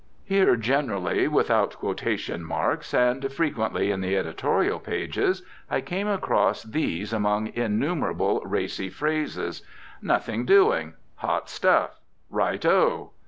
Here, generally without quotation marks and frequently in the editorial pages, I came across these among innumerable racy phrases: nothing doing, hot stuff, Right O!